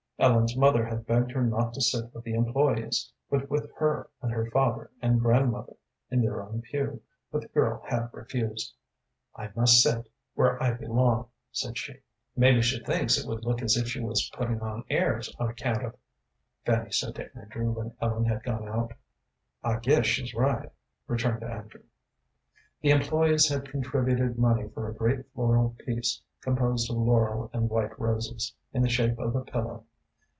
Ellen's mother had begged her not to sit with the employés, but with her and her father and grandmother in their own pew, but the girl had refused. "I must sit where I belong," said she. "Maybe she thinks it would look as if she was putting on airs on account of " Fanny said to Andrew when Ellen had gone out. "I guess she's right," returned Andrew. The employés had contributed money for a great floral piece composed of laurel and white roses, in the shape of a pillow.